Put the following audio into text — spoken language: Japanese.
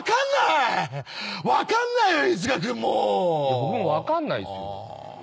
僕も分かんないですよ。